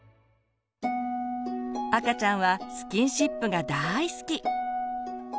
赤ちゃんはスキンシップが大好き。